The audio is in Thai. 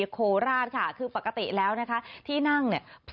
ก็คือปกติแล้วนะคะที่นั่งเนี่ย